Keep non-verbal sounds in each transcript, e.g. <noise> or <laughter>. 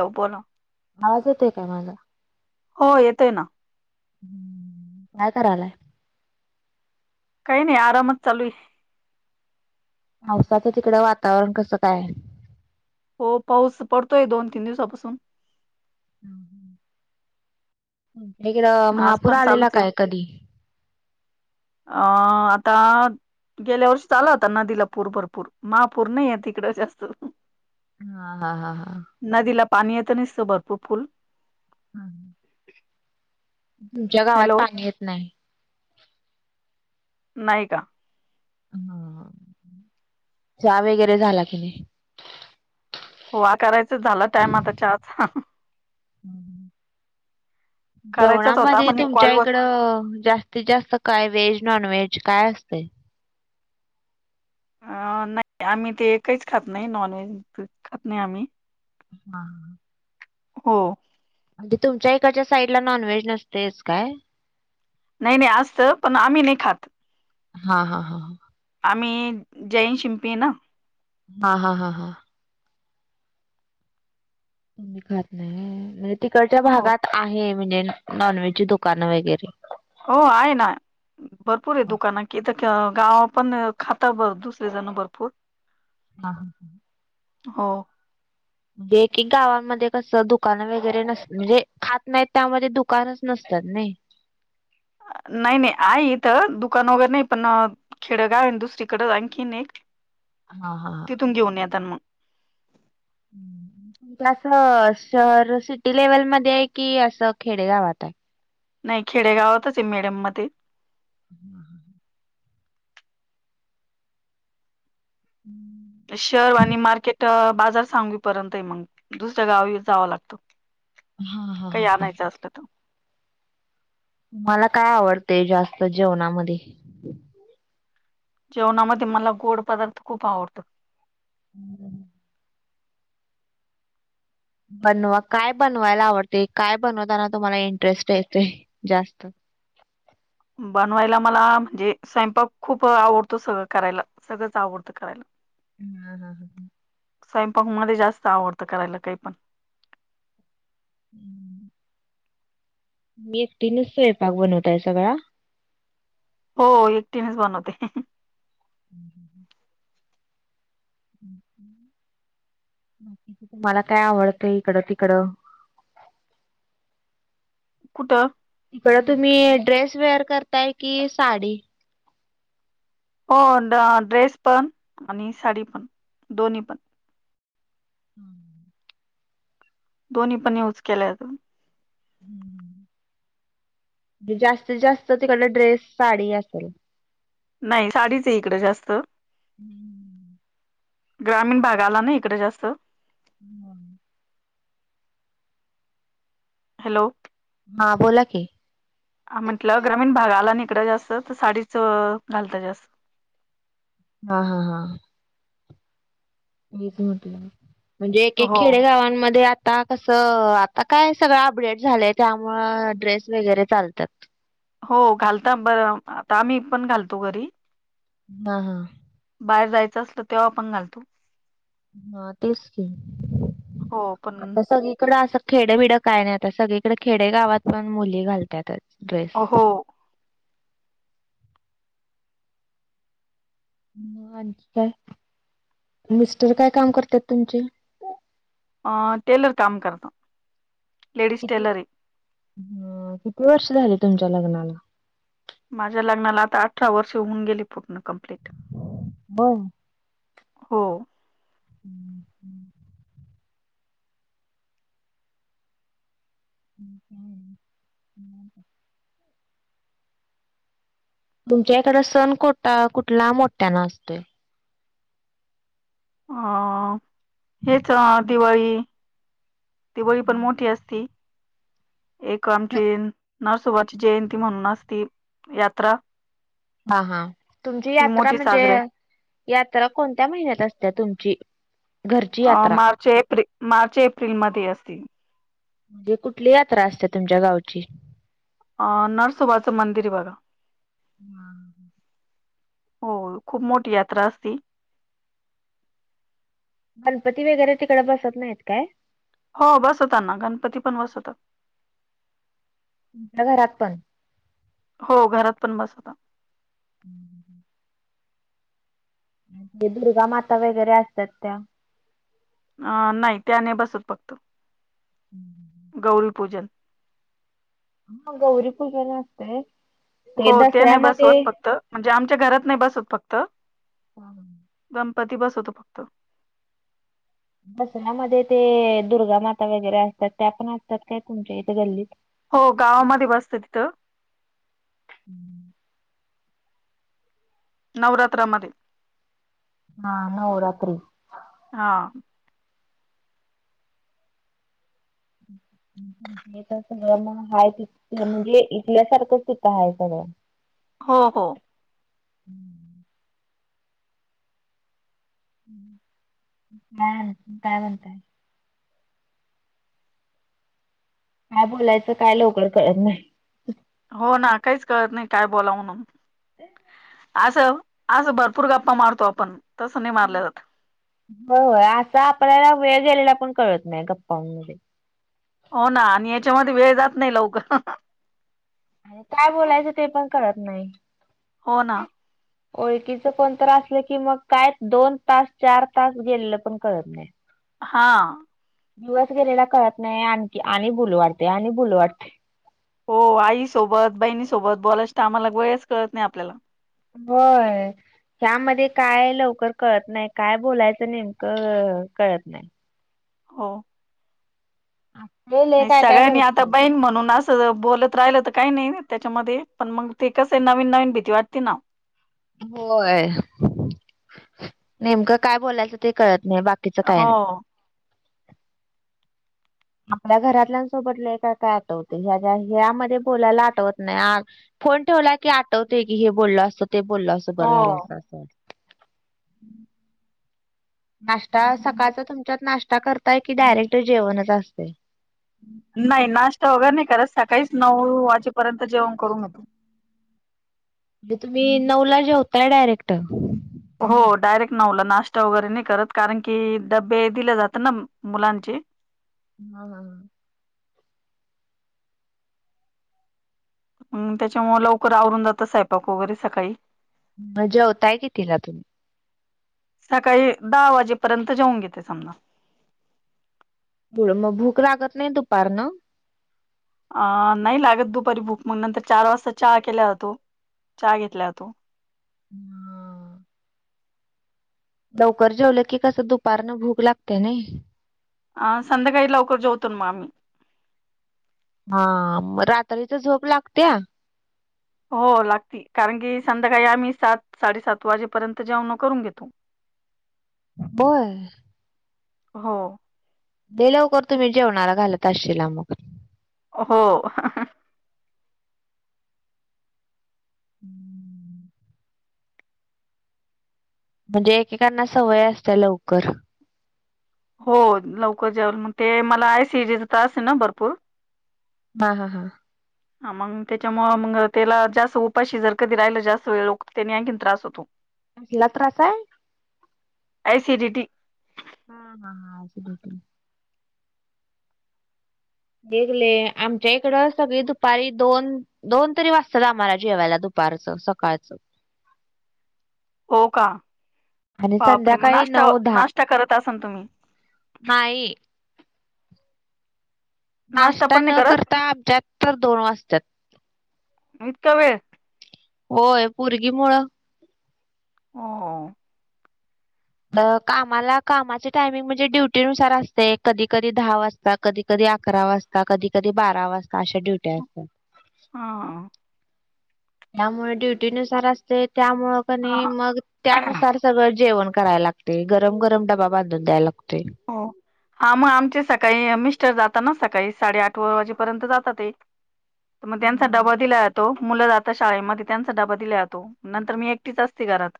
हो बोला. आवाज येतोय काय माझा? हो येतय ना. काय करालाय? काही नाही आरामच चालूये. पावसाचं तिकडं वातावरण कसं काय? हो पाऊस पडतोय दोन तीन दिवसापासून,. तिकडं आज महापुर पण आलेला चालूच आहे काय कधी? अं आता गेल्या वर्षी च आला होता नदीला पूर भरपूर,, महापूर नाहीयेत हीकडं जास्त, हा हा हा हा. नदीला पाणी येतं निसतं भरपूर. हां. तुमच्या गावात हॅलो पाणी येत नाही.? नाही का? च्या वगैरे झाला की नाही? हो करायचा झाला टाइम आता चहाचा हम्म. करायचाच होता जेवणामध्ये पण एक तुमच्या कॉलवर इकडं जास्त त जास्त काय व्हेज नॉनव्हेज काय असतय? अ नाही, आम्ही ते काहीच खात नाही नॉनव्हेज खात नाही आम्ही, हा. हो. म्हणजे तुमच्या इकडच्या साईड ला नॉनव्हेज नसतयच काय? नाही नाही असतं,, पण आम्ही नाही खात हा हा हा. आम्ही जैन शिंपी ना हा हा हा हा. तुम्ही खात नाही, म्हणजे तिकडच्या हो भागात आहे म्हणजे नॉनव्हेजची दुकानं वगैरे हो आहे ना भरपूर आहेत हा दुकानं, कि इथं गावा पण खाता बर दुसरे जणं भरपूर हां. हो. एकेक गावामध्ये कसं, दुकान वगैरे नस म्हणजे खात नाहीत त्यामध्ये दुकानच नसत्यात नाही. नाही नाही आहे इथं, दुकान वगैरे नाही पण खेड गाव आहे नं दुसरीकडं आणखीन एक हा हा हा. तिथून घेऊन येतान मग पण असं शहर सिटी लेव्हलमध्ये आहे कि असं खेडेगावात हाय? नाही खेडेगावातच आहे मिडियम मध्ये <inaudible> <inaudible> शहर आणि मार्केट बाजार सांगवीपर्यंत आहे मग, दुसऱ्या गावी जावं लागतं. हा हा हा हा. <unintelligible> मला काय आवडतय जास्त जेवणामध्ये? जेवणामध्ये मला गोड पदार्थ खूप आवडत. <inaudible> बनवा काय बनवायला आवडतय काय बनवताना तुम्हाला इंटरेस्ट येतोय जास्त बनवायला मला म्हणजे स्वयंपाक खूप आवडतो सगळं करायला सगळंच आवडतं करायला. हा हा हा. स्वयंपाक मध्ये जास्त आवडतं करायला काही पण <inaudible> मी एकटीनेच स्वयंपाक बनवताय सगळा हो एकटीनेच बनवते. <inaudible> तुम्हाला काय आवडतंय इकडं तिकडं कुठं बर, तुम्ही ड्रेस वेअर करताय कि साडी? हो, ड्रेस पण आणि साडी पण दोन्ही पण हम्म. दोन्ही पण युज केलय अजून हम्म जास्तीत जास्त तिकडन ड्रेस साडी असेल. नाही, साडीच ये इकडं जास्त हम्म ग्रामीण भाग आला ना इकड जास्त हा हॅलो हा बोला की हा, म्हटलं ग्रामीण भाग आला ना इकड जास्त तर साडीच घालतात जास्त हा हा हा. हेच म्हटलं म्हणजे एक एक हो खेडेगावांमध्ये आता कसं आता काय सगळं अपडेट झालंय त्यामुंळ ड्रेस वगैरे चालत्यात. हो घालता बरं आता आम्ही पण घालतो घरी हा बाहेर जायचं असलं तेव्हा पण घालतो. हा तेच की हो पण आता सगळीकडे असं खेड बिड काय नाही, आता सगळीकडे खेडे गावात पण मुली घालत्यातच ड्रेस हो म आणखी काय मिस्टर काय काम करत्यात तुमचे अ टेलर काम करता. किती अ किती वर्ष झाली तुमच्या लग्नाला माझ्या लग्नाला आता अठरा वर्ष होऊन गेली पूर्ण कंप्लीट हो. हो. <inaudible> <inaudible> तुमच्या एखादा सण कोटा कुठला मोठ्यान असतोय. अ हेच दिवाळी दिवाळी पण मोठी असती. एक आनखीन नरसोबाची जयंती म्हणून असती यात्रा हा हा, तुमची ती यात्रा मोठी म्हणजे साजरी यात्रा कोणत्या महिन्यात असते तुमची घरची अ यात्रा? मार्च एप्रि मार्च एप्रिलमध्ये असती ही कुठली यात्रा असते तुमच्या गावची? अ नरसोबाचं मंदिर आहे बघा. हा. होय खूप मोठी यात्रा असती गणपती वगैरे तिकडं बसत नाहीत काय? हो बसवत ना गणपती पण बसवतात. तुमच्या घरात पण? हो घरात पण बसवतान. <inaudible> ते दुर्गा माता वगैरे असतात त्या अ नाही त्या नाही बसत फक्त <inaudible> गौरी पूजन मग गौरीपूजन असतय हो ते नाही बसवत फक्त म्हणजे आमच्या घरात नाही बसत फक्त <inaudible> गणपती बसवतो फक्त. दसऱ्यामध्ये ते अ दुर्गा माता वगैरे असतात त्या पण असतात काय तुमच्या इथे गल्लीत? हो गावामध्ये बसत्यात तिथं नवरात्रामध्ये हा नऊ रात्री हा. <inaudible> हे तर सगळं मग हाय तिथ म्हणजे इथल्यासारखंच तिथं आहे सगळं हो हो. काय काय बोलताय? काय बोलायचं काय लवकर कळत नाही. हो ना काहीच कळत नाही काय बोलाव म्हणून <unintelligible> आसं आसं भरपूर गप्पा मारतो, आपण तसं नाही मारलं जात. होय असा आपल्याला वेळ गेलेलापण कळत नाही गप्पामध्ये हो ना आणि याच्यामध्ये वेळ जात नाही लवकर आणि काय बोलायचं ते पण कळत नाही. हो ना. ओळखीच कोणतरी असलं की मग काय दोन तास चार तास गेलेलं पण कळत नाही. <unintelligible> हा. दिवस गेलेला कळत नाही आणखी आणि बोलू वाटते आणि बोलु वाटते. हो आईसोबत, बहिणीसोबत बोलायच्या टाईमाला वेळच कळत नाही आपल्याला होय. ह्यामध्ये काय लवकर कळत नाही काय बोलायचं नेमकं अ कळत नाय. हो. <unintelligible> नाही सगळ्यांनी आता भरपूर बहीण म्हणूनच बोलत राहिलं तर काही नाही त्याच्यामध्ये पण मग ते कसे नवीन नवीन भीती वाटते ना. होय नेमकं काय बोलायचं ते कळत नाही बाकी हो आपल्या घरातल्यांसोबत लय काय काय आठवते ह्या ह्यामध्ये बोलायला आठवत नाही. फोन ठेवला की आठवते की हे बोललं असं ते बोललं असं बरं झालं असं असं वाटतं. हम्म. नाश्ता सकाळचा तुमच्यात नाश्ता करताय की डायरेक्ट जेवणच असते. नाही नाश्ता वगैरे नाही करत सकाळीच नऊ वाजेपर्यंत जेवण करून घेतो. म्हणजे तुम्ही नऊला जेवताय डायरेक्ट. हो डायरेक्ट नव्हला नाश्ता वगैरे नाही करत कारण की डबे दिले जात ना. मुलांचे हो का? मग त्यांच्यामुळे लवकर आवरून जातं स्वंयपाक वगैरे सकाळी जेवतोय कितीला तुम्ही! सकाळी दहा वाजेपर्यंत जाऊन घेते समजा. मग भूक लागत नाही दुपारनं. अ नाही लागत दुपारी भूक म्हग नंतर चार वाजता चहा केल्या जातो चहा घेतला जातो. हा लवकर जेवलं की कसं दुपारनं भूक लागते नाही. अ संध्याकाळी लवकर जवतोन मग आम्ही. हा रात्रीच झोप लागत्या. हो लागती कारण की संध्याकाळी आम्ही सात साडेसात वाजेपर्यंत जेवन न करून घेतो. होय. हो लय लवकर तुम्ही जेवणाला घालत आशीला मग. हो हम्म. म्हणजे एकेकांना सवय असत्या लवकर. हो लवकर जेवल मग ते मला ॲसिडिटीचा त्रास आहे ना भरपूर. हा हा हा मग त्याच्यामुळ मग त्याला जास्त उपाशी जर कधी राहिलं जास्त वेळ त्यानी आणखीन त्रास होतो. तो तुला त्रास आहे. ऍसिडिटी. हा हा हा वेगले आमच्या इकड सगळी दुपारी दोन दोन तरी वाजतात आम्हाला जेवायला दुपारचं सकाळचं हो का! आणि बापरे! मग संध्याकाळी नाश्ता नऊ दहा नाश्ता करत असल तुम्ही. नाही. नाश्ता पण नाही न करत करता आमच्यात तर दोन वाजत्यात. ईतका वेळ. होय पोरगी मुळ. हो. <inaudible> कामाला कामाचे टायमिंग म्हणजे ड्युटीनुसार असते कधी कधी दहा वाजता. कधी कधी अकरा वाजता, कधी कधी बारा वाजता अशा ड्युट्या असतात. हा. त्यामुळे ड्युटी नुसार असते, त्यामुंळे कणी हा मग त्यानुसार सगळं जेवण करायला लागतय. ते गरम गरम डबा बांधून द्यायला लागतोय. हो. हा, मग आमचे सकाळी मिस्टर जातात ना सकाळी साडे आठ वाजेपर्यंत जातात ते. तर मग त्यांचा डबा दिला जातो, मुलं जाता शाळेमध्ये त्यांचा डबा दिला जातो, नंतर मी एकटीच असते घरात.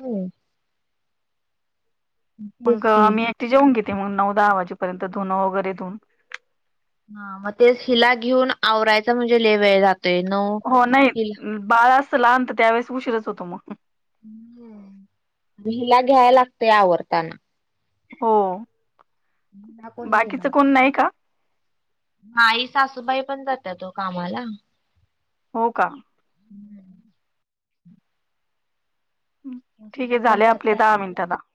हम्म. मंग तेच की मी ऐकटी जेवून घेते, मग नऊ, दहा वाजेपर्यंत धुण वगैरे धुऊन. हा, मग तेच हिला घेऊन आवरायच म्हणजे लय वेळ जातोय. ते नऊ हो, नाही हिला बाळ असतं लहान तर, त्यावेेळेस उशीरच होतो मग. हिला घ्याय लागतय आवरताना. हो, बाकीच कोण नाही का? नाही, सासूबाई पण जात्यात ओ कामाला. हो का? ठीक आहे. पण झाले आपले जात्या दहा मिनिट आता.